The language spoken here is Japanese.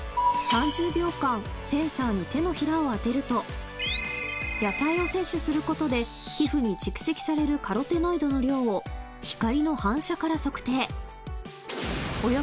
３０秒間センサーに手のひらをあてると野菜を摂取することで皮膚に蓄積されるカロテノイドの量を光の反射から測定